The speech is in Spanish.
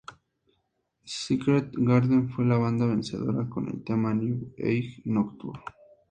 Secret Garden fue la banda vencedora con el tema new-age ""Nocturne"".